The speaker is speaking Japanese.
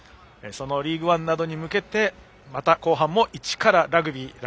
そのリーグワンなどに向けまた後半も「イチからわかるラグビー」。